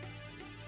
oh itu orangnya